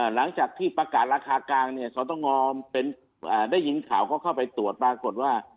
หลังจากที่ประกาศราคากลางเนี่ยสตงได้ยินข่าวก็เข้าไปตรวจปรากฏว่า